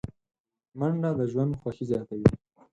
منډه د ژوند خوښي زیاتوي